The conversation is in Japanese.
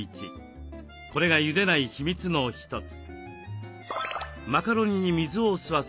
これがゆでない秘密の一つ。